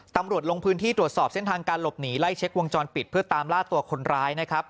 ตำรวจลงพื้นที่ตรวจสอบเส้นทางการหลบหนีไล่เช็ควงจรปิดเพื่อตามล่าตัวคนร้ายนะครับ